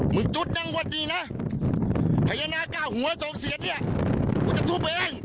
มึงดู